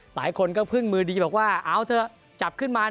หลายคนก็พึ่งมือดีบอกว่าเอาเถอะจับขึ้นมา